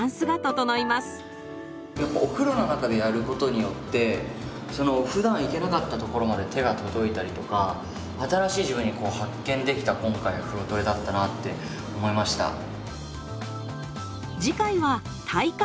やっぱお風呂の中でやることによってそのふだんいけなかったところまで手が届いたりとか新しい自分に発見できた今回風呂トレだったなって思いました。